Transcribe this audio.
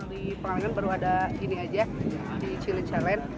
di pengalengan baru ada ini aja di cilenca land